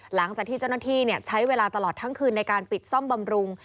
หลังจากที่เจ้าหน้าที่ใช้เวลาตลอดทั้งคืนในการปิดซ่อมบำรุง